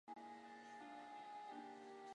氟硼酸亚锡可以用于锡的电镀。